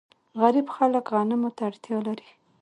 غریب خلک غنمو ته اړتیا لري.